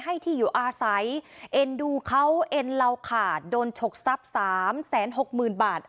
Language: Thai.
ให้ที่อยู่อาศัยเอ็นดูเขาเอ็นเราขาดโดนฉกทรัพย์สามแสนหกหมื่นบาท